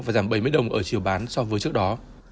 và giảm bảy mươi đồng ở chiều bán so với trước đó